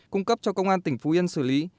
cung cấp cho công an tỉnh phú yên xử lý